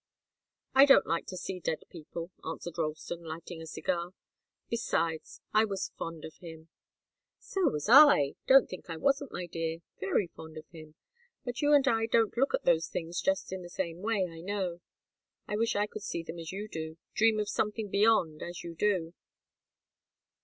"I don't like to see dead people," answered Ralston, lighting a cigar. "Besides I was fond of him." "So was I. Don't think I wasn't, my dear very fond of him. But you and I don't look at those things just in the same way, I know. I wish I could see them as you do dream of something beyond, as you do.